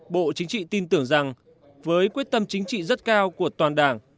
bộ chính trị tin tưởng rằng với quyết tâm chính trị rất cao của toàn đảng